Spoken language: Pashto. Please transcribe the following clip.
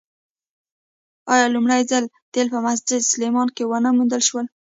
آیا لومړی ځل تیل په مسجد سلیمان کې ونه موندل شول؟